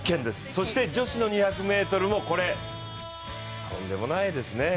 そして女子の２００ｍもとんでもないですね。